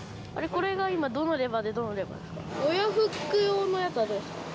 これが今どのレバーでどのレバーですか？